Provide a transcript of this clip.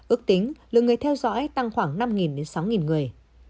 ước tính lượng người theo dõi tăng khoảng năm sáu người